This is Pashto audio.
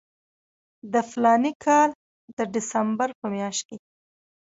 د فلاني کال د ډسمبر په میاشت کې.